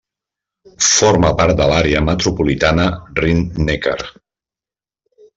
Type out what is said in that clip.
Forma part de l'àrea metropolitana Rin-Neckar.